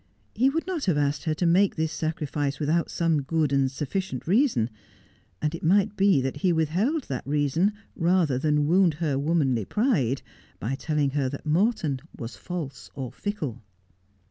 He would not have asked her to make this sacrifice without some good and sufficient reason, and it might be that he withheld that reason rather than wound her womanly pride by telling her that Morton was false or fickle.